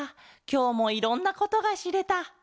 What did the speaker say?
きょうもいろんなことがしれた。